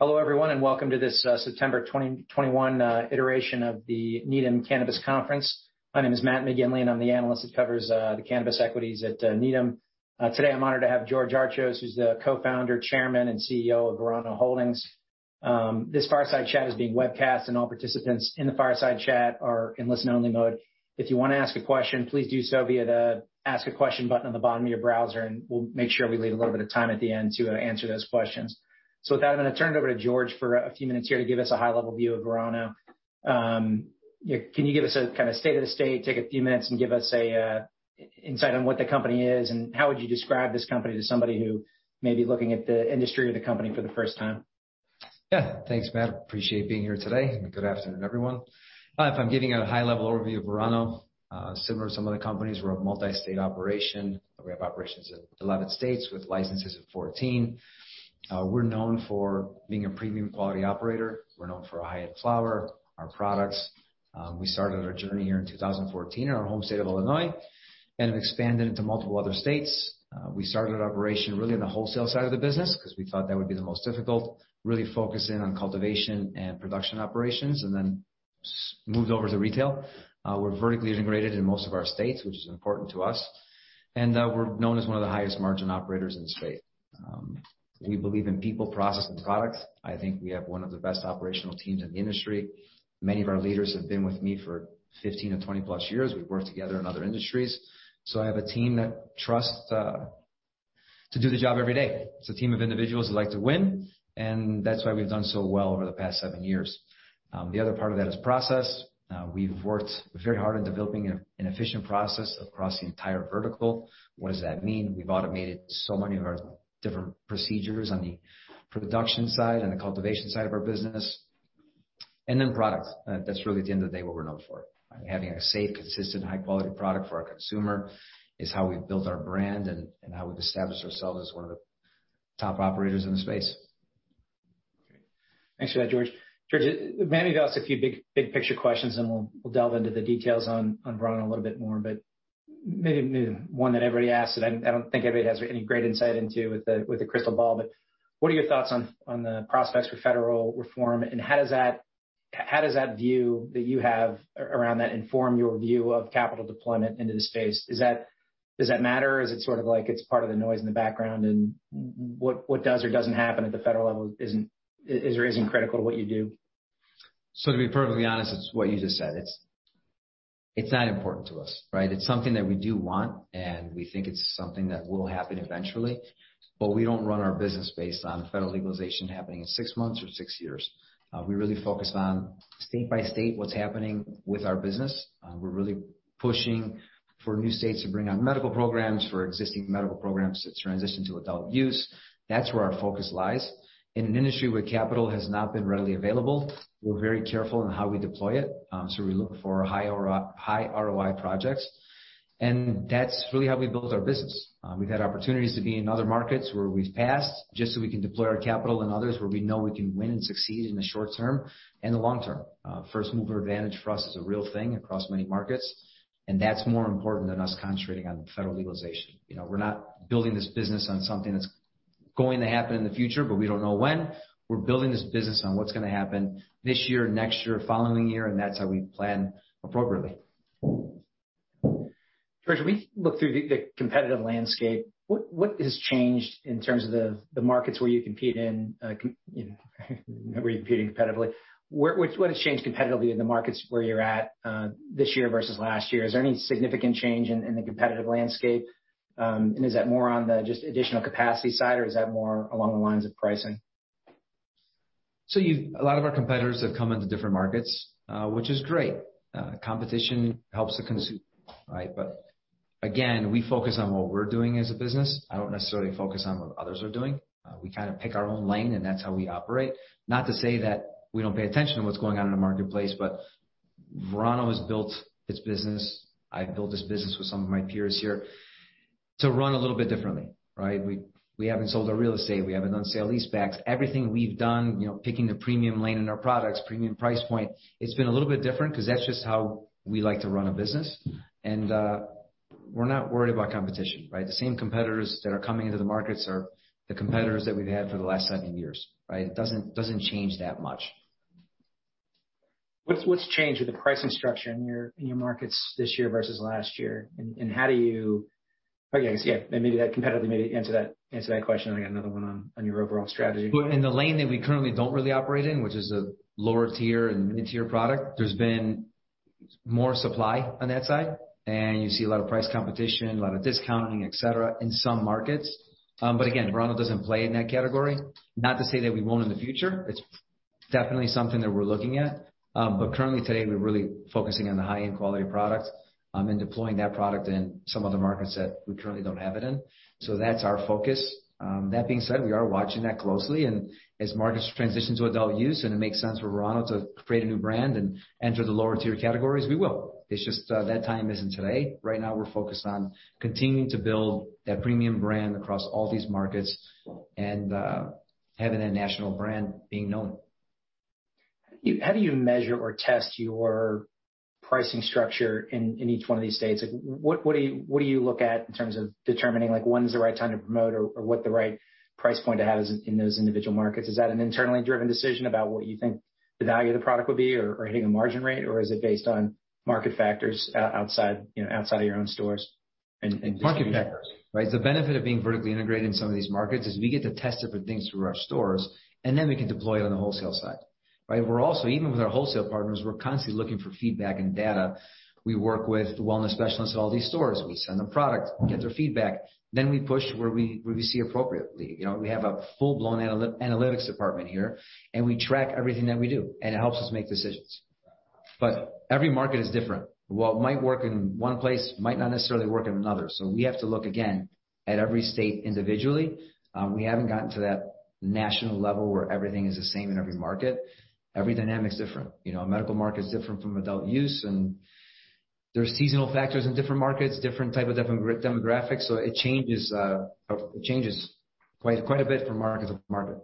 Hello, everyone, and welcome to this September 2021 Iteration of the Needham Cannabis Conference. My name is Matt McGinley, and I'm the analyst that covers the cannabis equities at Needham & Company. Today, I'm honored to have George Archos, who's the Co-founder, Chairman, and CEO of Verano Holdings. This fireside chat is being webcast, and all participants in the fireside chat are in listen-only mode. If you want to ask a question, please do so via the Ask a Question button on the bottom of your browser, and we'll make sure we leave a little bit of time at the end to answer those questions. So with that, I'm going to turn it over to George for a few minutes here to give us a high-level view of Verano. Can you give us a kind of state of the state, take a few minutes, and give us an insight on what the company is, and how would you describe this company to somebody who may be looking at the industry or the company for the first time? Yeah, thanks, Matt. Appreciate being here today. Good afternoon, everyone. If I'm giving a high-level overview of Verano, similar to some other companies, we're a multi-state operation. We have operations in 11 states with licenses of 14. We're known for being a premium-quality operator. We're known for our high-end flower, our products. We started our journey here in 2014 in our home state of Illinois and have expanded into multiple other states. We started operation really on the wholesale side of the business because we thought that would be the most difficult, really focusing on cultivation and production operations, and then moved over to retail. We're vertically integrated in most of our states, which is important to us, and we're known as one of the highest-margin operators in the state. We believe in people, process, and products. I think we have one of the best operational teams in the industry. Many of our leaders have been with me for 15 or 20-plus years. We've worked together in other industries. So I have a team that trusts to do the job every day. It's a team of individuals who like to win, and that's why we've done so well over the past seven years. The other part of that is process. We've worked very hard on developing an efficient process across the entire vertical. What does that mean? We've automated so many of our different procedures on the production side and the cultivation side of our business, and then product. That's really, at the end of the day, what we're known for. Having a safe, consistent, high-quality product for our consumer is how we've built our brand and how we've established ourselves as one of the top operators in the space. Okay. Thanks for that, George. George, maybe we'll ask a few big-picture questions, and we'll delve into the details on Verano a little bit more, but maybe one that everybody asks that I don't think everybody has any great insight into with a crystal ball. But what are your thoughts on the prospects for federal reform, and how does that view that you have around that inform your view of capital deployment into the space? Does that matter? Is it sort of like it's part of the noise in the background, and what does or doesn't happen at the federal level isn't critical to what you do? So to be perfectly honest, it's what you just said. It's not important to us, right? It's something that we do want, and we think it's something that will happen eventually. But we don't run our business based on federal legalization happening in six months or six years. We really focus on state-by-state what's happening with our business. We're really pushing for new states to bring on medical programs, for existing medical programs to transition to adult use. That's where our focus lies. In an industry where capital has not been readily available, we're very careful in how we deploy it. So we look for high ROI projects. And that's really how we built our business. We've had opportunities to be in other markets where we've passed just so we can deploy our capital in others where we know we can win and succeed in the short term and the long term. First-mover advantage for us is a real thing across many markets, and that's more important than us concentrating on federal legalization. We're not building this business on something that's going to happen in the future, but we don't know when. We're building this business on what's going to happen this year, next year, following year, and that's how we plan appropriately. George, when we look through the competitive landscape, what has changed in terms of the markets where you compete in, where you're competing competitively? What has changed competitively in the markets where you're at this year versus last year? Is there any significant change in the competitive landscape? And is that more on the just additional capacity side, or is that more along the lines of pricing? So a lot of our competitors have come into different markets, which is great. Competition helps the consumer, right? But again, we focus on what we're doing as a business. I don't necessarily focus on what others are doing. We kind of pick our own lane, and that's how we operate. Not to say that we don't pay attention to what's going on in the marketplace, but Verano has built its business. I've built this business with some of my peers here to run a little bit differently, right? We haven't sold our real estate. We haven't done sale-leasebacks. Everything we've done, picking the premium lane in our products, premium price point, it's been a little bit different because that's just how we like to run a business. And we're not worried about competition, right? The same competitors that are coming into the markets are the competitors that we've had for the last seven years, right? It doesn't change that much. What's changed with the pricing structure in your markets this year versus last year? And how do you, yeah, I guess, maybe answer that question competitively. I got another one on your overall strategy. In the lane that we currently don't really operate in, which is a lower-tier and mid-tier product, there's been more supply on that side. And you see a lot of price competition, a lot of discounting, etc., in some markets. But again, Verano doesn't play in that category. Not to say that we won't in the future. It's definitely something that we're looking at. But currently, today, we're really focusing on the high-end quality product and deploying that product in some of the markets that we currently don't have it in. So that's our focus. That being said, we are watching that closely. And as markets transition to adult use and it makes sense for Verano to create a new brand and enter the lower-tier categories, we will. It's just that time isn't today. Right now, we're focused on continuing to build that premium brand across all these markets and having a national brand being known. How do you measure or test your pricing structure in each one of these states? What do you look at in terms of determining when's the right time to promote or what the right price point to have in those individual markets? Is that an internally-driven decision about what you think the value of the product would be or hitting a margin rate, or is it based on market factors outside of your own stores and just generally? Market factors, right? The benefit of being vertically integrated in some of these markets is we get to test different things through our stores, and then we can deploy it on the wholesale side, right? We're also, even with our wholesale partners, we're constantly looking for feedback and data. We work with wellness specialists at all these stores. We send them product, get their feedback, then we push where we see appropriately. We have a full-blown analytics department here, and we track everything that we do, and it helps us make decisions. But every market is different. What might work in one place might not necessarily work in another. So we have to look again at every state individually. We haven't gotten to that national level where everything is the same in every market. Every dynamic's different. Medical market's different from adult-use, and there are seasonal factors in different markets, different types of demographics, so it changes quite a bit from market to market.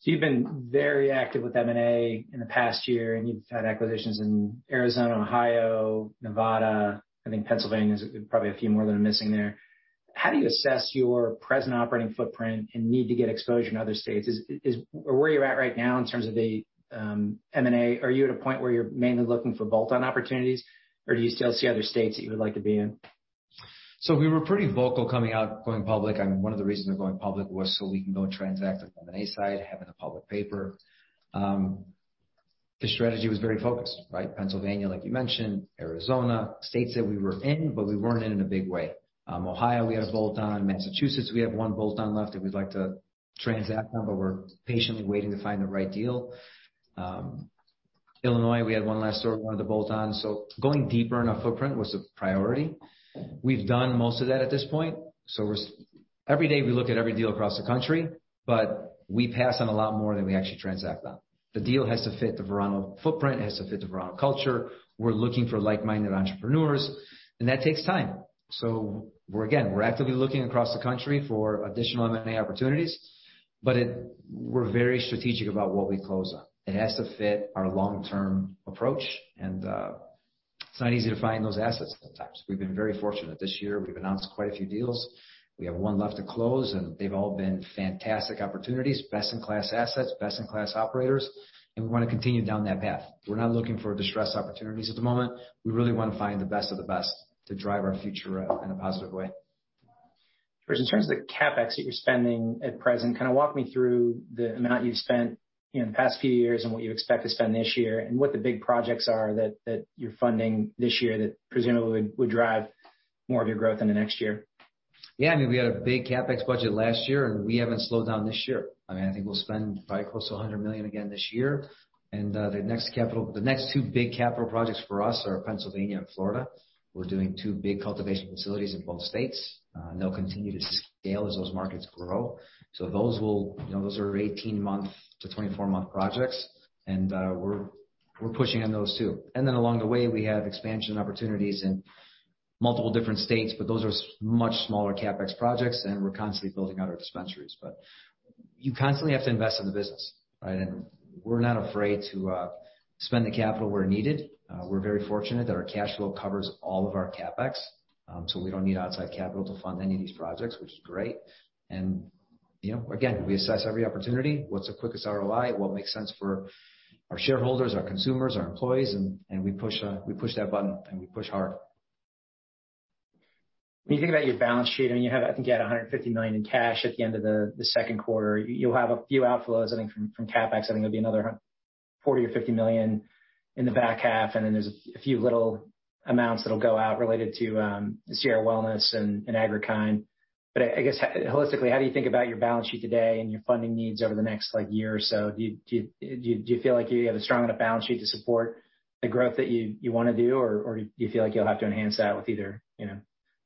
So you've been very active with M&A in the past year, and you've had acquisitions in Arizona, Ohio, Nevada. I think Pennsylvania is probably a few more that are missing there. How do you assess your present operating footprint and need to get exposure in other states? Where you're at right now in terms of the M&A, are you at a point where you're mainly looking for bolt-on opportunities, or do you still see other states that you would like to be in? So we were pretty vocal coming out, going public. And one of the reasons we're going public was so we can go and transact on the M&A side, having a public paper. The strategy was very focused, right? Pennsylvania, like you mentioned, Arizona. States that we were in, but we weren't in in a big way. Ohio, we had a bolt-on. Massachusetts, we have one bolt-on left that we'd like to transact on, but we're patiently waiting to find the right deal. Illinois, we had one last store we wanted to bolt on. So going deeper in our footprint was a priority. We've done most of that at this point. So every day we look at every deal across the country, but we pass on a lot more than we actually transact on. The deal has to fit the Verano footprint. It has to fit the Verano culture. We're looking for like-minded entrepreneurs, and that takes time. So again, we're actively looking across the country for additional M&A opportunities, but we're very strategic about what we close on. It has to fit our long-term approach, and it's not easy to find those assets sometimes. We've been very fortunate this year. We've announced quite a few deals. We have one left to close, and they've all been fantastic opportunities, best-in-class assets, best-in-class operators. And we want to continue down that path. We're not looking for distressed opportunities at the moment. We really want to find the best of the best to drive our future in a positive way. George, in terms of the CapEx that you're spending at present, kind of walk me through the amount you've spent in the past few years and what you expect to spend this year and what the big projects are that you're funding this year that presumably would drive more of your growth in the next year. Yeah, I mean, we had a big CapEx budget last year, and we haven't slowed down this year. I mean, I think we'll spend probably close to $100 million again this year. And the next two big capital projects for us are Pennsylvania and Florida. We're doing two big cultivation facilities in both states. They'll continue to scale as those markets grow. So those are 18-month to 24-month projects, and we're pushing on those too. And then along the way, we have expansion opportunities in multiple different states, but those are much smaller CapEx projects, and we're constantly building out our dispensaries. But you constantly have to invest in the business, right? And we're not afraid to spend the capital where needed. We're very fortunate that our cash flow covers all of our CapEx, so we don't need outside capital to fund any of these projects, which is great. And again, we assess every opportunity. What's the quickest ROI? What makes sense for our shareholders, our consumers, our employees? And we push that button, and we push hard. When you think about your balance sheet, I mean, I think you had $150 million in cash at the end of the Q2. You'll have a few outflows, I think, from CapEx. I think it'll be another $40 million or $50 million in the back half, and then there's a few little amounts that'll go out related to Sierra Well and Agri-Kind. But I guess, holistically, how do you think about your balance sheet today and your funding needs over the next year or so? Do you feel like you have a strong enough balance sheet to support the growth that you want to do, or do you feel like you'll have to enhance that with either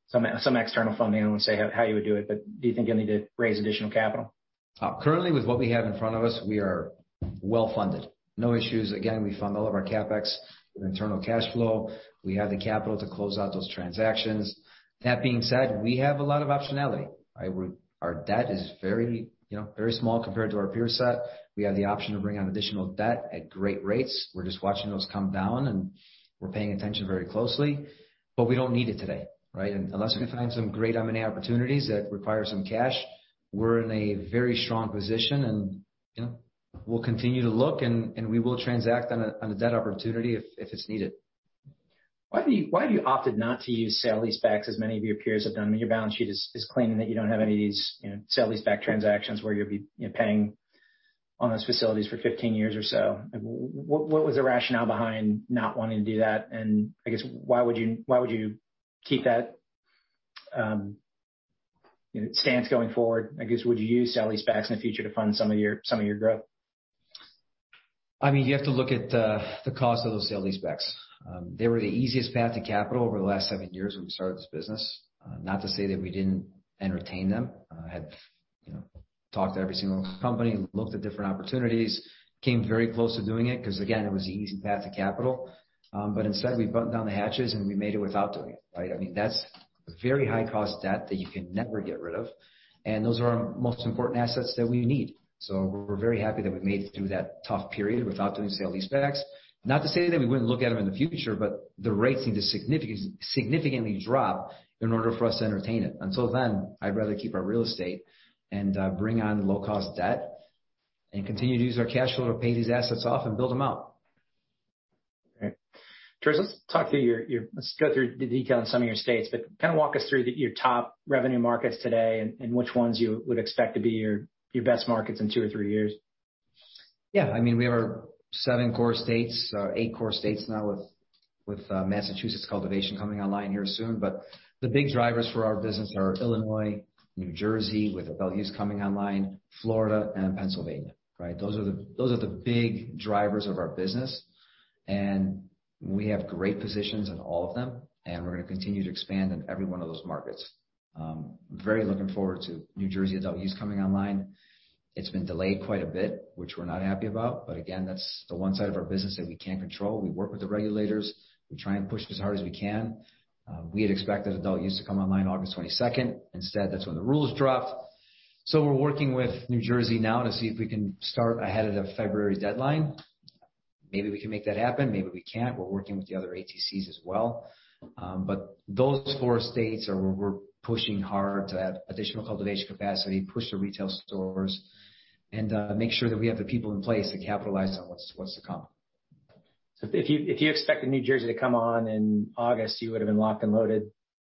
some external funding? I won't say how you would do it, but do you think you'll need to raise additional capital? Currently, with what we have in front of us, we are well-funded. No issues. Again, we fund all of our CapEx with internal cash flow. We have the capital to close out those transactions. That being said, we have a lot of optionality, right? Our debt is very small compared to our peer set. We have the option to bring on additional debt at great rates. We're just watching those come down, and we're paying attention very closely, but we don't need it today, right? Unless we find some great M&A opportunities that require some cash, we're in a very strong position, and we'll continue to look, and we will transact on a debt opportunity if it's needed. Why have you opted not to use sale-leasebacks as many of your peers have done? I mean, your balance sheet is claiming that you don't have any of these sale-leaseback transactions where you'll be paying on those facilities for 15 years or so. What was the rationale behind not wanting to do that? And I guess, why would you keep that stance going forward? I guess, would you use sale-leasebacks in the future to fund some of your growth? I mean, you have to look at the cost of those sale-leasebacks. They were the easiest path to capital over the last seven years when we started this business. Not to say that we didn't entertain them. I had talked to every single company, looked at different opportunities, came very close to doing it because, again, it was the easy path to capital. But instead, we buttoned down the hatches, and we made it without doing it, right? I mean, that's a very high-cost debt that you can never get rid of. And those are our most important assets that we need. So we're very happy that we made it through that tough period without doing sale-leasebacks. Not to say that we wouldn't look at them in the future, but the rates need to significantly drop in order for us to entertain it. Until then, I'd rather keep our real estate and bring on low-cost debt and continue to use our cash flow to pay these assets off and build them out. All right. George, let's go through the detail in some of your states, but kind of walk us through your top revenue markets today and which ones you would expect to be your best markets in two or three years? Yeah. I mean, we have our seven core states, eight core states now with Massachusetts cultivation coming online here soon. But the big drivers for our business are Illinois, New Jersey with adult use coming online, Florida, and Pennsylvania, right? Those are the big drivers of our business. And we have great positions in all of them, and we're going to continue to expand in every one of those markets. Very looking forward to New Jersey adult use coming online. It's been delayed quite a bit, which we're not happy about. But again, that's the one side of our business that we can't control. We work with the regulators. We try and push as hard as we can. We had expected adult use to come online August 22nd. Instead, that's when the rules dropped. So we're working with New Jersey now to see if we can start ahead of the February deadline. Maybe we can make that happen. Maybe we can't. We're working with the other ATCs as well. But those four states are where we're pushing hard to add additional cultivation capacity, push the retail stores, and make sure that we have the people in place to capitalize on what's to come. So if you expected New Jersey to come on in August, you would have been locked and loaded,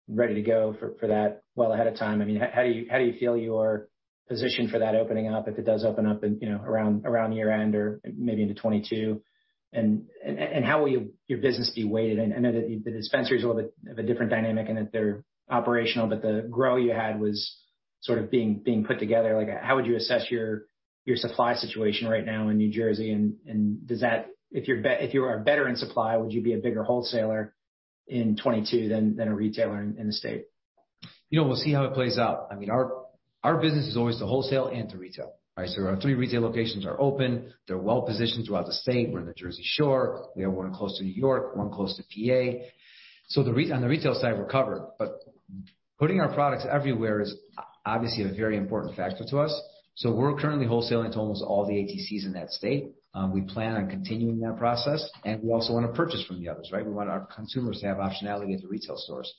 ready to go for that well ahead of time. I mean, how do you feel your position for that opening up if it does open up around year-end or maybe into 2022? And how will your business be weighted? I know that the dispensary is a little bit of a different dynamic in that they're operational, but the grow you had was sort of being put together. How would you assess your supply situation right now in New Jersey? And if you are better in supply, would you be a bigger wholesaler in 2022 than a retailer in the state? We'll see how it plays out. I mean, our business is always to wholesale and to retail, right? So our three retail locations are open. They're well-positioned throughout the state. We're in the Jersey Shore. We have one close to New York, one close to PA. So on the retail side, we're covered. But putting our products everywhere is obviously a very important factor to us. So we're currently wholesaling to almost all the ATCs in that state. We plan on continuing that process, and we also want to purchase from the others, right? We want our consumers to have optionality at the retail stores.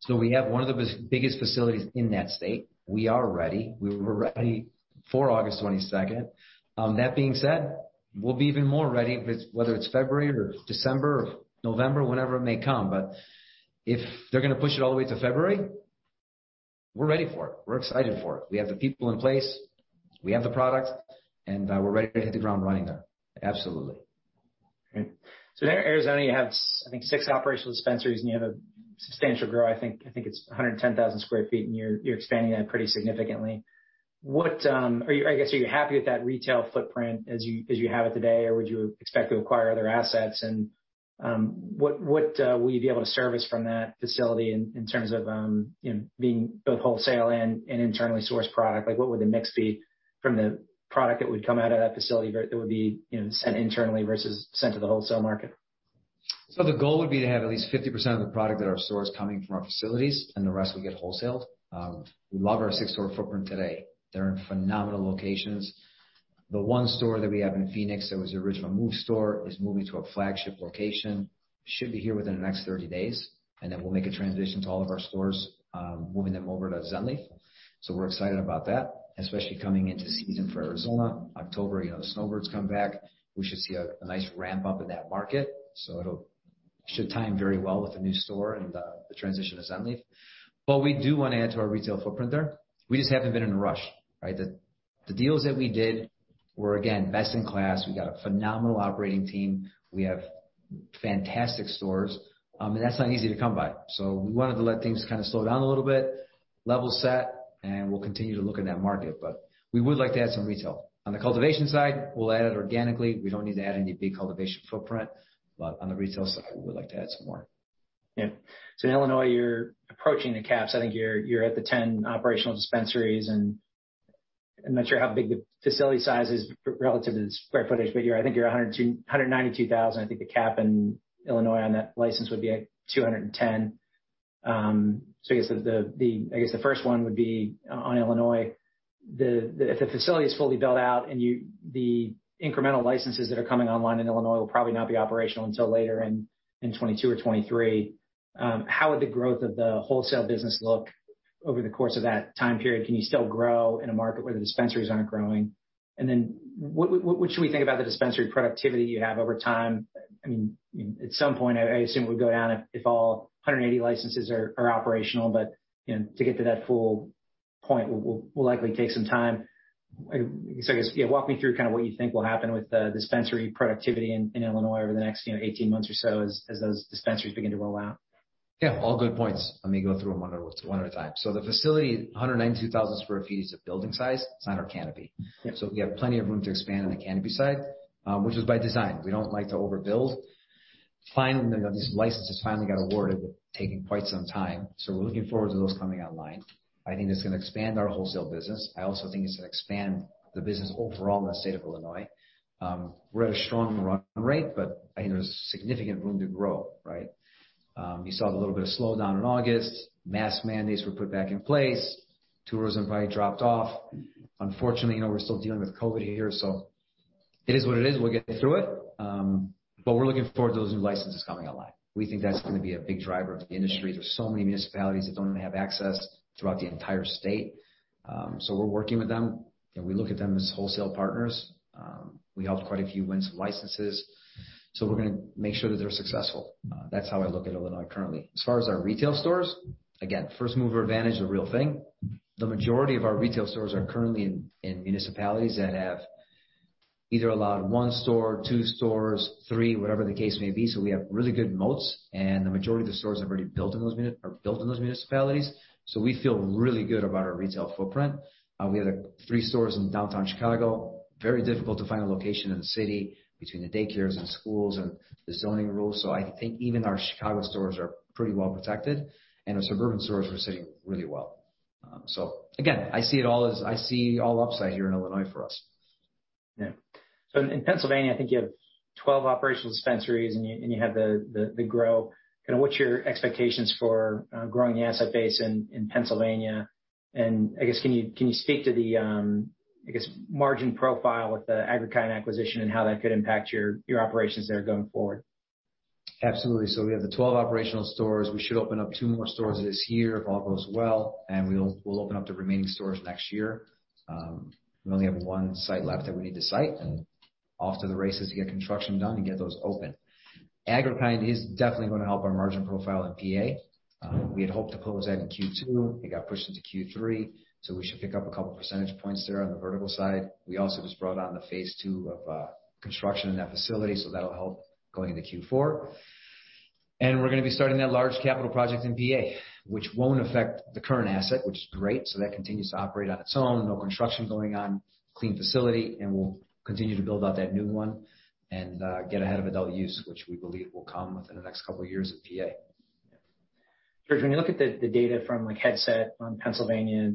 So we have one of the biggest facilities in that state. We are ready. We were ready for August 22nd. That being said, we'll be even more ready, whether it's February or December or November, whenever it may come. But if they're going to push it all the way to February, we're ready for it. We're excited for it. We have the people in place. We have the products, and we're ready to hit the ground running there. Absolutely. All right, so in Arizona, you have, I think, six operational dispensaries, and you have a substantial growth. I think it's 110,000 sq ft, and you're expanding that pretty significantly. I guess, are you happy with that retail footprint as you have it today, or would you expect to acquire other assets? And what will you be able to service from that facility in terms of being both wholesale and internally sourced product? What would the mix be from the product that would come out of that facility that would be sent internally versus sent to the wholesale market? The goal would be to have at least 50% of the product at our stores coming from our facilities, and the rest we get wholesaled. We love our six-store footprint today. They're in phenomenal locations. The one store that we have in Phoenix that was the original MÜV store is moving to a flagship location. It should be here within the next 30 days, and then we'll make a transition to all of our stores, moving them over to Zen Leaf. We're excited about that, especially coming into season for Arizona. October, the snowbirds come back. We should see a nice ramp up in that market. It should time very well with the new store and the transition to Zen Leaf. But we do want to add to our retail footprint there. We just haven't been in a rush, right? The deals that we did were, again, best in class. We got a phenomenal operating team. We have fantastic stores, and that's not easy to come by. So we wanted to let things kind of slow down a little bit, level set, and we'll continue to look at that market. But we would like to add some retail. On the cultivation side, we'll add it organically. We don't need to add any big cultivation footprint. But on the retail side, we would like to add some more. Yeah. So in Illinois, you're approaching the caps. I think you're at the 10 operational dispensaries, and I'm not sure how big the facility size is relative to the square footage, but I think you're 192,000. I think the cap in Illinois on that license would be at 210. So I guess the first one would be on Illinois. If the facility is fully built out and the incremental licenses that are coming online in Illinois will probably not be operational until later in 2022 or 2023, how would the growth of the wholesale business look over the course of that time period? Can you still grow in a market where the dispensaries aren't growing? And then what should we think about the dispensary productivity you have over time? I mean, at some point, I assume it would go down if all 180 licenses are operational, but to get to that full point will likely take some time. So I guess, yeah, walk me through kind of what you think will happen with the dispensary productivity in Illinois over the next 18 months or so as those dispensaries begin to roll out. Yeah. All good points. Let me go through them one at a time. So the facility, 192,000 sq ft is a building size. It's not our canopy. So we have plenty of room to expand on the canopy side, which is by design. We don't like to overbuild. Finally, these licenses got awarded, but taking quite some time. So we're looking forward to those coming online. I think that's going to expand our wholesale business. I also think it's going to expand the business overall in the state of Illinois. We're at a strong run rate, but I think there's significant room to grow, right? You saw a little bit of slowdown in August. Mask mandates were put back in place. Tourism probably dropped off. Unfortunately, we're still dealing with COVID here. So it is what it is. We'll get through it. But we're looking forward to those new licenses coming online. We think that's going to be a big driver of the industry. There's so many municipalities that don't have access throughout the entire state. So we're working with them, and we look at them as wholesale partners. We helped quite a few win some licenses. So we're going to make sure that they're successful. That's how I look at Illinois currently. As far as our retail stores, again, first-mover advantage is a real thing. The majority of our retail stores are currently in municipalities that have either allowed one store, two stores, three, whatever the case may be. So we have really good moats, and the majority of the stores have already built in those municipalities. So we feel really good about our retail footprint. We have three stores in downtown Chicago. Very difficult to find a location in the city between the daycares and schools and the zoning rules. So I think even our Chicago stores are pretty well protected, and our suburban stores are sitting really well. So again, I see it all as all upside here in Illinois for us. Yeah. So in Pennsylvania, I think you have 12 operational dispensaries, and you have the grow. Kind of what's your expectations for growing the asset base in Pennsylvania? And I guess, can you speak to the, I guess, margin profile with the Agri-Kind acquisition and how that could impact your operations there going forward? Absolutely. So we have the 12 operational stores. We should open up two more stores this year if all goes well, and we'll open up the remaining stores next year. We only have one site left that we need to site, and off to the races to get construction done and get those open. Agri-Kind is definitely going to help our margin profile in PA. We had hoped to close that in Q2. It got pushed into Q3, so we should pick up a couple of percentage points there on the vertical side. We also just brought on the phase two of construction in that facility, so that'll help going into Q4. And we're going to be starting that large capital project in PA, which won't affect the current asset, which is great. So that continues to operate on its own. No construction going on, clean facility, and we'll continue to build out that new one and get ahead of adult-use, which we believe will come within the next couple of years in PA. George, when you look at the data from Headset on Pennsylvania,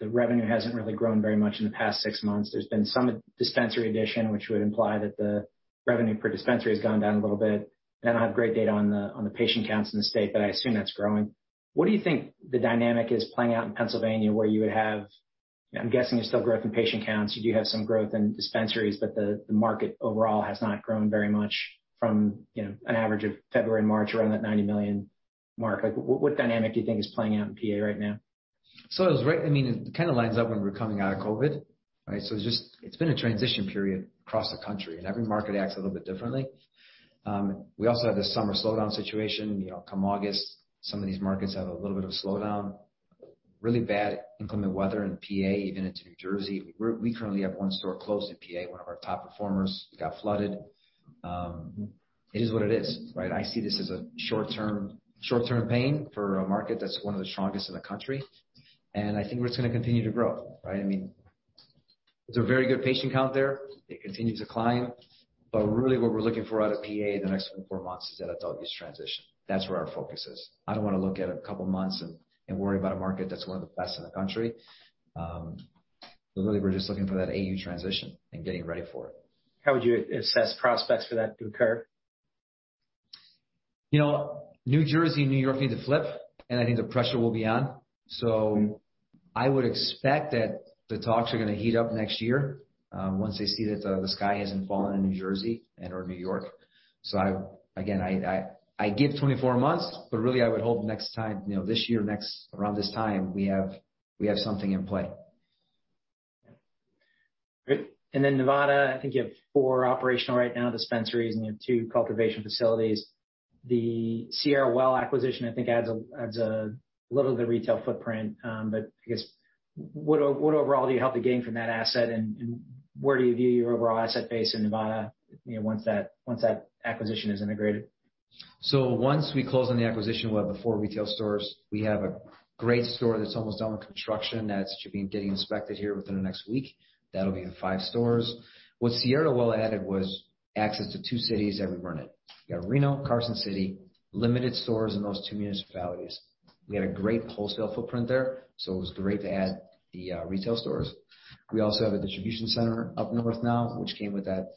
the revenue hasn't really grown very much in the past six months. There's been some dispensary addition, which would imply that the revenue per dispensary has gone down a little bit. And I don't have great data on the patient counts in the state, but I assume that's growing. What do you think the dynamic is playing out in Pennsylvania where you would have, I'm guessing there's still growth in patient counts. You do have some growth in dispensaries, but the market overall has not grown very much from an average of February and March around that $90 million mark. What dynamic do you think is playing out in PA right now? So I mean, it kind of lines up when we're coming out of COVID, right? So it's been a transition period across the country, and every market acts a little bit differently. We also had the summer slowdown situation. Come August, some of these markets have a little bit of slowdown. Really bad inclement weather in PA, even into New Jersey. We currently have one store closed in PA, one of our top performers. It got flooded. It is what it is, right? I see this as a short-term pain for a market that's one of the strongest in the country. And I think we're just going to continue to grow, right? I mean, there's a very good patient count there. It continues to climb. But really, what we're looking for out of PA in the next four months is that adult-use transition. That's where our focus is. I don't want to look at a couple of months and worry about a market that's one of the best in the country, but really, we're just looking for that AU transition and getting ready for it. How would you assess prospects for that to occur? New Jersey and New York need to flip, and I think the pressure will be on. So I would expect that the talks are going to heat up next year once they see that the sky hasn't fallen in New Jersey and/or New York. So again, I give 24 months, but really, I would hope next time this year, around this time, we have something in play. Great. And then Nevada, I think you have four operational right now, dispensaries, and you have two cultivation facilities. The Sierra Well acquisition, I think, adds a little of the retail footprint. But I guess, what overall do you hope to gain from that asset, and where do you view your overall asset base in Nevada once that acquisition is integrated? Once we close on the acquisition, we'll have the four retail stores. We have a great store that's almost done with construction that's getting inspected here within the next week. That'll be the five stores. What Sierra Well added was access to two cities that we weren't in. We got Reno, Carson City, limited stores in those two municipalities. We had a great wholesale footprint there, so it was great to add the retail stores. We also have a distribution center up north now, which came with that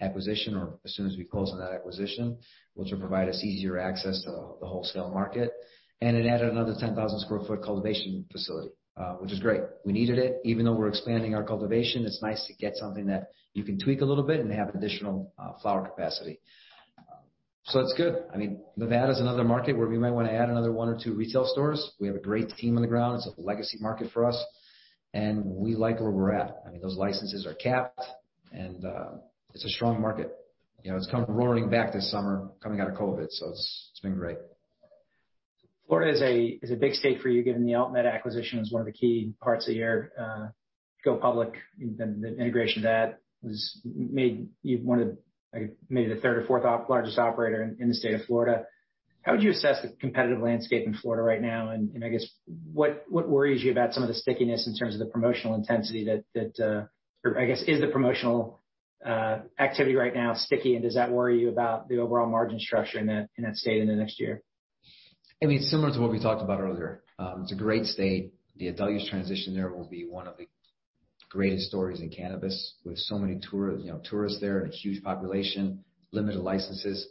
acquisition, or as soon as we closed on that acquisition, which will provide us easier access to the wholesale market. And it added another 10,000 sq ft cultivation facility, which is great. We needed it. Even though we're expanding our cultivation, it's nice to get something that you can tweak a little bit and have additional flower capacity. It's good. I mean, Nevada is another market where we might want to add another one or two retail stores. We have a great team on the ground. It's a legacy market for us, and we like where we're at. I mean, those licenses are capped, and it's a strong market. It's come rolling back this summer coming out of COVID, so it's been great. Florida is a big state for you, given the AltMed acquisition was one of the key parts of your go public. The integration of that made you one of the, I guess, maybe the third or fourth largest operator in the state of Florida. How would you assess the competitive landscape in Florida right now? And I guess, what worries you about some of the stickiness in terms of the promotional intensity that, or I guess, is the promotional activity right now sticky, and does that worry you about the overall margin structure in that state in the next year? I mean, it's similar to what we talked about earlier. It's a great state. The adult-use transition there will be one of the greatest stories in cannabis, with so many tourists there and a huge population, limited licenses.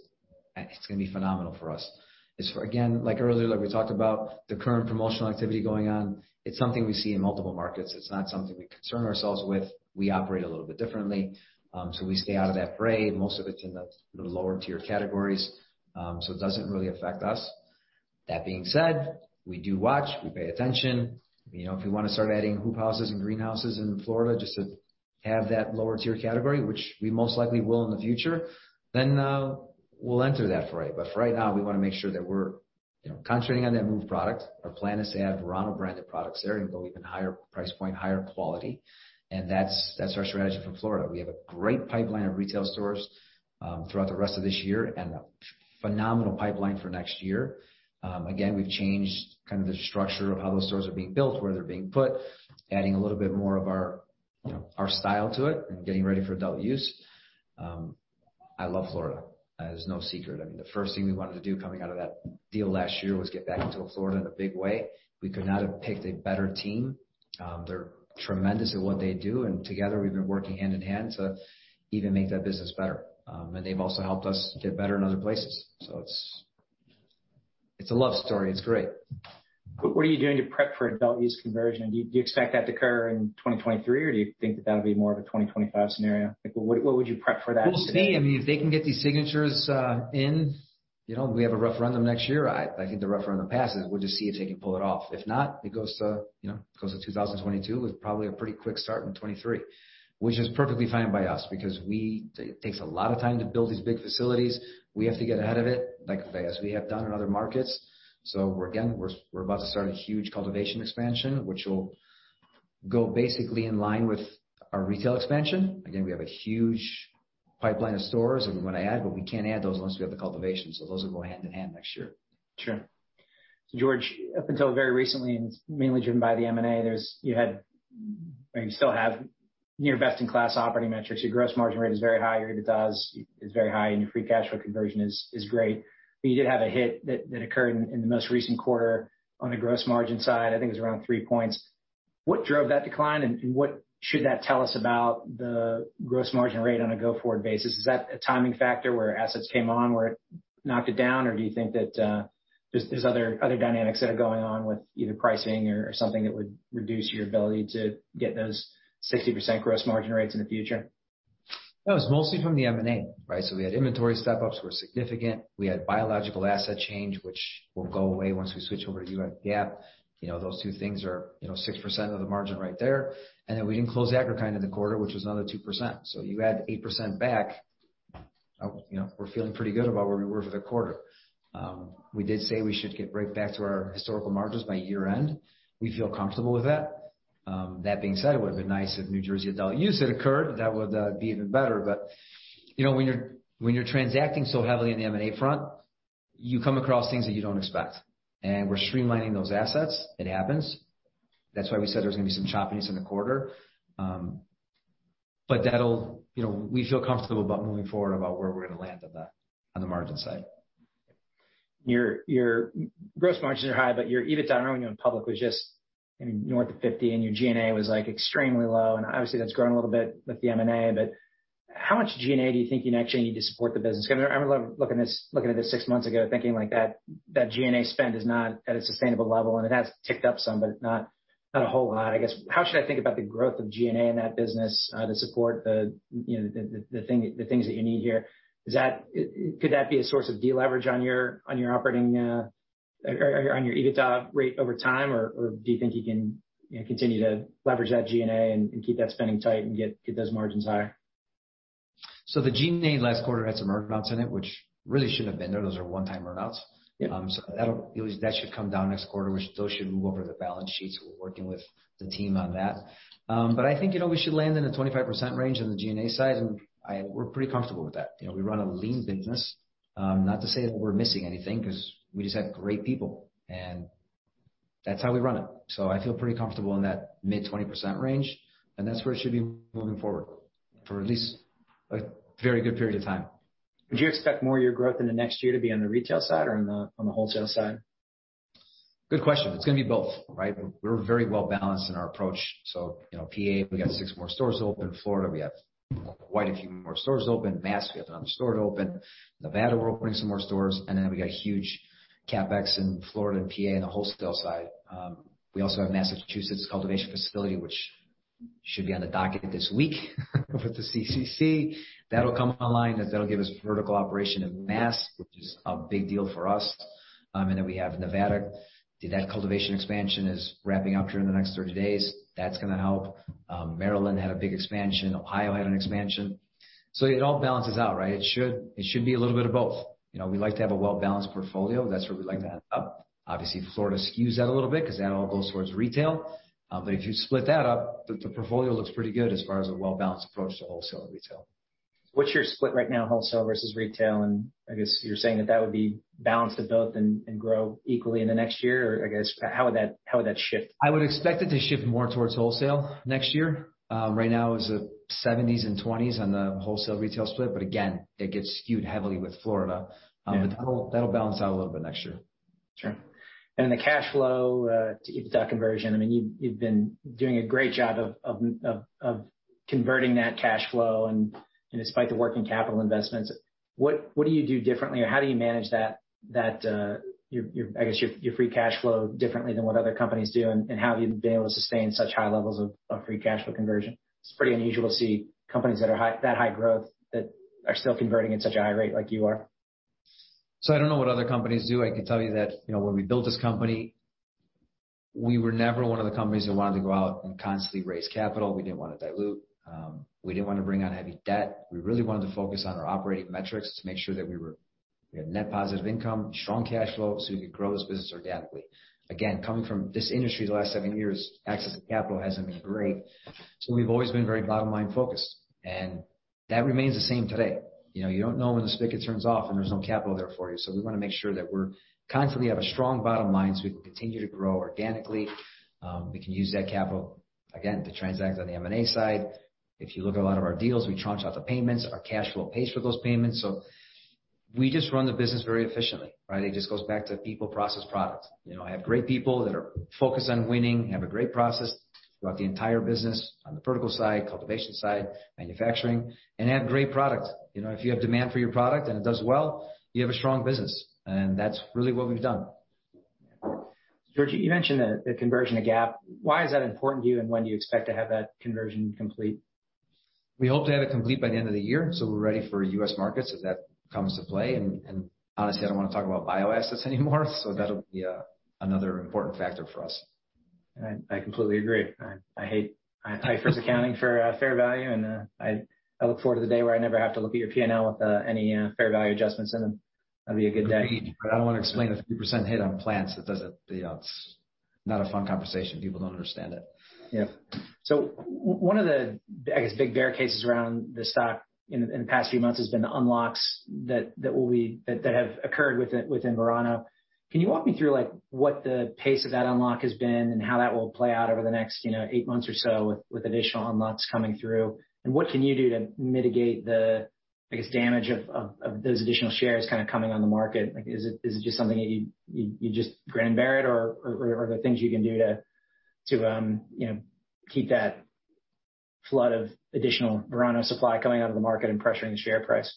It's going to be phenomenal for us. Again, like earlier, like we talked about, the current promotional activity going on, it's something we see in multiple markets. It's not something we concern ourselves with. We operate a little bit differently. So we stay out of that parade. Most of it's in the lower-tier categories, so it doesn't really affect us. That being said, we do watch. We pay attention. If we want to start adding hoop houses and greenhouses in Florida just to have that lower-tier category, which we most likely will in the future, then we'll enter that for it. But for right now, we want to make sure that we're concentrating on that MÜV product. Our plan is to add Verano-branded products there and go even higher price point, higher quality. And that's our strategy for Florida. We have a great pipeline of retail stores throughout the rest of this year and a phenomenal pipeline for next year. Again, we've changed kind of the structure of how those stores are being built, where they're being put, adding a little bit more of our style to it and getting ready for adult-use. I love Florida. There's no secret. I mean, the first thing we wanted to do coming out of that deal last year was get back into Florida in a big way. We could not have picked a better team. They're tremendous at what they do, and together, we've been working hand in hand to even make that business better. And they've also helped us get better in other places. So it's a love story. It's great. What are you doing to prep for adult-use conversion? Do you expect that to occur in 2023, or do you think that that'll be more of a 2025 scenario? What would you prep for that? We'll see. I mean, if they can get these signatures in, we have a referendum next year. I think the referendum passes. We'll just see if they can pull it off. If not, it goes to 2022 with probably a pretty quick start in 2023, which is perfectly fine by us because it takes a lot of time to build these big facilities. We have to get ahead of it, like as we have done in other markets. So again, we're about to start a huge cultivation expansion, which will go basically in line with our retail expansion. Again, we have a huge pipeline of stores that we want to add, but we can't add those unless we have the cultivation. So those will go hand in hand next year. Sure. George, up until very recently, and it's mainly driven by the M&A, you had, or you still have, near best-in-class operating metrics. Your gross margin rate is very high. Your EBITDA is very high, and your free cash flow conversion is great. But you did have a hit that occurred in the most recent quarter on the gross margin side. I think it was around three points. What drove that decline, and what should that tell us about the gross margin rate on a go-forward basis? Is that a timing factor where assets came on, where it knocked it down, or do you think that there's other dynamics that are going on with either pricing or something that would reduce your ability to get those 60% gross margin rates in the future? That was mostly from the M&A, right? So we had inventory step-ups that were significant. We had biological asset change, which will go away once we switch over to U.S. GAAP. Those two things are 6% of the margin right there. And then we didn't close Agri-Kind in the quarter, which was another 2%. So you add 8% back, we're feeling pretty good about where we were for the quarter. We did say we should get right back to our historical margins by year-end. We feel comfortable with that. That being said, it would have been nice if New Jersey adult use had occurred. That would be even better. But when you're transacting so heavily in the M&A front, you come across things that you don't expect. And we're streamlining those assets. It happens. That's why we said there's going to be some choppiness in the quarter. But we feel comfortable about moving forward about where we're going to land on the margin side. Your gross margins are high, but your EBITDA, I don't want to go public, was just, I mean, north of 50, and your G&A was extremely low, and obviously, that's grown a little bit with the M&A, but how much G&A do you think you actually need to support the business? Because I remember looking at this six months ago, thinking that G&A spend is not at a sustainable level, and it has ticked up some, but not a whole lot. I guess, how should I think about the growth of G&A in that business to support the things that you need here? Could that be a source of deleverage on your operating or on your EBITDA rate over time, or do you think you can continue to leverage that G&A and keep that spending tight and get those margins higher? So the G&A last quarter had some earnouts in it, which really shouldn't have been there. Those are one-time earnouts. So that should come down next quarter, which those should move over to the balance sheet. So we're working with the team on that. But I think we should land in the 25% range on the G&A side, and we're pretty comfortable with that. We run a lean business. Not to say that we're missing anything because we just have great people, and that's how we run it. So I feel pretty comfortable in that mid-20% range, and that's where it should be moving forward for at least a very good period of time. Would you expect more of your growth in the next year to be on the retail side or on the wholesale side? Good question. It's going to be both, right? We're very well-balanced in our approach. So PA, we got six more stores open. Florida, we have quite a few more stores open. Mass, we have another store to open. Nevada, we're opening some more stores. And then we got huge CapEx in Florida and PA on the wholesale side. We also have Massachusetts cultivation facility, which should be on the docket this week with the CCC. That'll come online. That'll give us vertical operation in Mass, which is a big deal for us. And then we have Nevada. That cultivation expansion is wrapping up during the next 30 days. That's going to help. Maryland had a big expansion. Ohio had an expansion. So it all balances out, right? It should be a little bit of both. We like to have a well-balanced portfolio. That's where we like to end up. Obviously, Florida skews that a little bit because that all goes towards retail. But if you split that up, the portfolio looks pretty good as far as a well-balanced approach to wholesale and retail. What's your split right now, wholesale versus retail? And I guess you're saying that that would be balanced to both and grow equally in the next year, or I guess, how would that shift? I would expect it to shift more towards wholesale next year. Right now, it's the 70% and 20% on the wholesale retail split. But again, it gets skewed heavily with Florida. But that'll balance out a little bit next year. Sure. And the cash flow, EBITDA conversion, I mean, you've been doing a great job of converting that cash flow. And despite the working capital investments, what do you do differently, or how do you manage that, I guess, your free cash flow differently than what other companies do? And how have you been able to sustain such high levels of free cash flow conversion? It's pretty unusual to see companies that are that high growth that are still converting at such a high rate like you are. I don't know what other companies do. I can tell you that when we built this company, we were never one of the companies that wanted to go out and constantly raise capital. We didn't want to dilute. We didn't want to bring on heavy debt. We really wanted to focus on our operating metrics to make sure that we had net positive income, strong cash flow, so we could grow this business organically. Again, coming from this industry the last seven years, access to capital hasn't been great. So we've always been very bottom-line focused. And that remains the same today. You don't know when the spigot turns off, and there's no capital there for you. So we want to make sure that we constantly have a strong bottom line so we can continue to grow organically. We can use that capital, again, to transact on the M&A side. If you look at a lot of our deals, we tranche out the payments. Our cash flow pays for those payments. So we just run the business very efficiently, right? It just goes back to people, process, product. Have great people that are focused on winning, have a great process throughout the entire business on the vertical side, cultivation side, manufacturing, and have great product. If you have demand for your product and it does well, you have a strong business, and that's really what we've done. George, you mentioned the conversion of GAAP. Why is that important to you, and when do you expect to have that conversion complete? We hope to have it complete by the end of the year so we're ready for U.S. markets if that comes to play. And honestly, I don't want to talk about bioassets anymore. So that'll be another important factor for us. I completely agree. I hate first accounting for fair value, and I look forward to the day where I never have to look at your P&L with any fair value adjustments in them. That'll be a good day. I don't want to explain the 3% hit on plants. It's not a fun conversation. People don't understand it. Yeah. So one of the, I guess, big bear cases around the stock in the past few months has been the unlocks that have occurred within Verano. Can you walk me through what the pace of that unlock has been and how that will play out over the next eight months or so with additional unlocks coming through? And what can you do to mitigate the, I guess, damage of those additional shares kind of coming on the market? Is it just something that you just grin and bear it, or are there things you can do to keep that flood of additional Verano supply coming out of the market and pressuring the share price?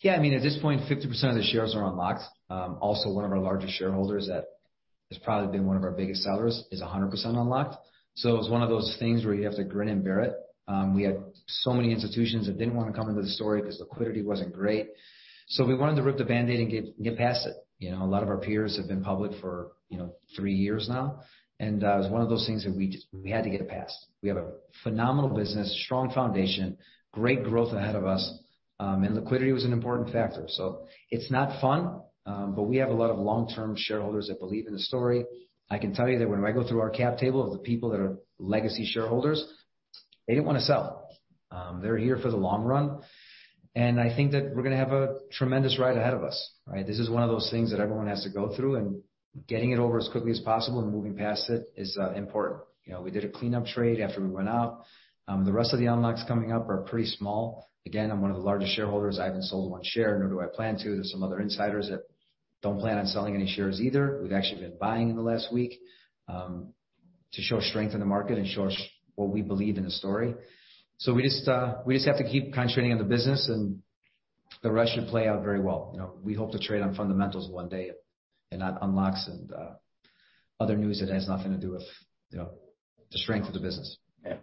Yeah. I mean, at this point, 50% of the shares are unlocked. Also, one of our largest shareholders that has probably been one of our biggest sellers is 100% unlocked. So it was one of those things where you have to grin and bear it. We had so many institutions that didn't want to come into the story because liquidity wasn't great. So we wanted to rip the Band-Aid and get past it. A lot of our peers have been public for three years now. And it was one of those things that we had to get past. We have a phenomenal business, strong foundation, great growth ahead of us. And liquidity was an important factor. So it's not fun, but we have a lot of long-term shareholders that believe in the story. I can tell you that when I go through our cap table of the people that are legacy shareholders, they didn't want to sell. They're here for the long run, and I think that we're going to have a tremendous ride ahead of us, right? This is one of those things that everyone has to go through, and getting it over as quickly as possible and moving past it is important. We did a cleanup trade after we went out. The rest of the unlocks coming up are pretty small. Again, I'm one of the largest shareholders. I haven't sold one share, nor do I plan to. There's some other insiders that don't plan on selling any shares either. We've actually been buying in the last week to show strength in the market and show what we believe in the story. So we just have to keep concentrating on the business, and the rest should play out very well. We hope to trade on fundamentals one day and not unlocks and other news that has nothing to do with the strength of the business. Yeah.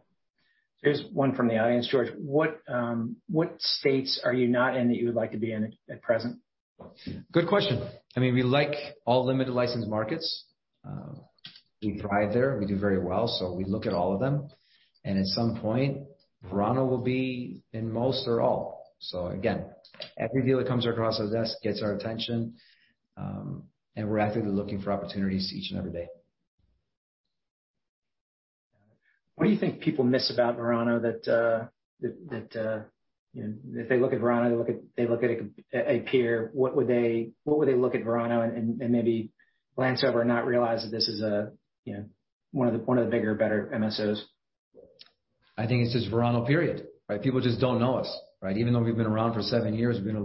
Here's one from the audience. George, what states are you not in that you would like to be in at present? Good question. I mean, we like all limited-license markets. We thrive there. We do very well. So we look at all of them. And at some point, Verano will be in most or all. So again, every deal that comes across our desk gets our attention. And we're actively looking for opportunities each and every day. What do you think people miss about Verano? That if they look at Verano, they look at a peer, what would they look at Verano and maybe glance over and not realize that this is one of the bigger, better MSOs? I think it's just Verano, period, right? People just don't know us, right? Even though we've been around for seven years, we've been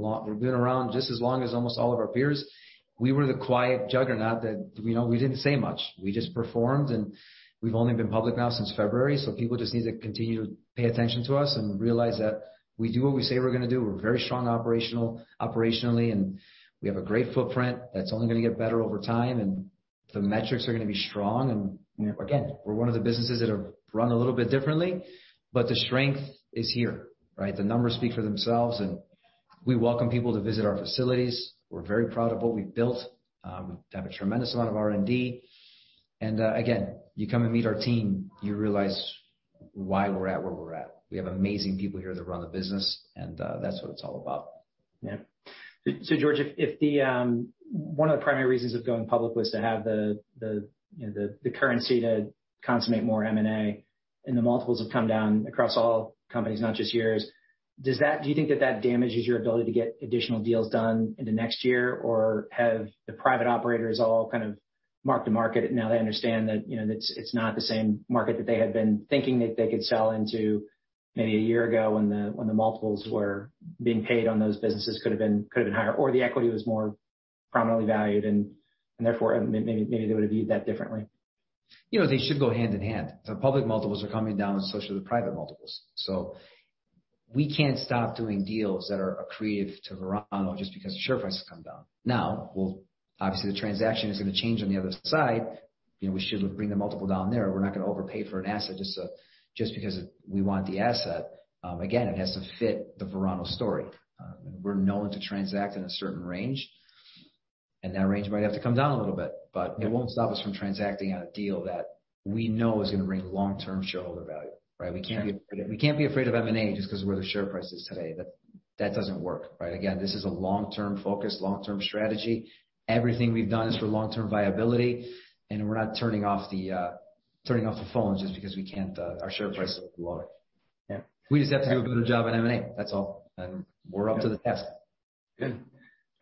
around just as long as almost all of our peers. We were the quiet juggernaut that we didn't say much. We just performed, and we've only been public now since February, so people just need to continue to pay attention to us and realize that we do what we say we're going to do. We're very strong operationally, and we have a great footprint that's only going to get better over time, and the metrics are going to be strong. And again, we're one of the businesses that have run a little bit differently, but the strength is here, right? The numbers speak for themselves, and we welcome people to visit our facilities. We're very proud of what we've built. We have a tremendous amount of R&D. Again, you come and meet our team, you realize why we're at where we're at. We have amazing people here that run the business, and that's what it's all about. Yeah. So, George, if one of the primary reasons of going public was to have the currency to consummate more M&A and the multiples have come down across all companies, not just yours, do you think that that damages your ability to get additional deals done into next year, or have the private operators all kind of marked to market and now they understand that it's not the same market that they had been thinking that they could sell into maybe a year ago when the multiples were being paid on those businesses could have been higher, or the equity was more prominently valued, and therefore maybe they would have viewed that differently? They should go hand in hand. The public multiples are coming down associated with the private multiples. So we can't stop doing deals that are accretive to Verano just because the share price has come down. Now, obviously, the transaction is going to change on the other side. We should bring the multiple down there. We're not going to overpay for an asset just because we want the asset. Again, it has to fit the Verano story. We're known to transact in a certain range, and that range might have to come down a little bit. But it won't stop us from transacting on a deal that we know is going to bring long-term shareholder value, right? We can't be afraid of M&A just because of where the share price is today. That doesn't work, right? Again, this is a long-term focus, long-term strategy. Everything we've done is for long-term viability, and we're not turning off the phones just because our share price is lower. We just have to do a better job at M&A. That's all, and we're up to the test. Good.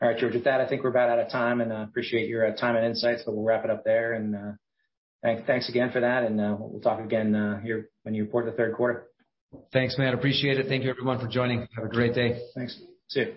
All right, George, with that, I think we're about out of time, and I appreciate your time and insights, but we'll wrap it up there, and thanks again for that, and we'll talk again here when you report the Q3. Thanks, Matt. Appreciate it. Thank you, everyone, for joining. Have a great day. Thanks. See you.